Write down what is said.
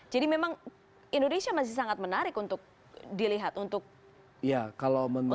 jadi memang indonesia masih sangat menarik untuk dilihat untuk dilakukan serangan